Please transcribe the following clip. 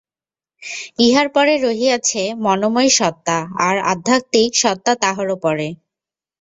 ইহার পরে রহিয়াছে মনোময় সত্তা, আর আধ্যাত্মিক সত্তা তাহারও পরে।